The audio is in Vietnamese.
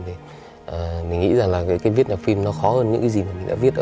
mình nghĩ rằng viết nhạc phim khó hơn những gì mình đã viết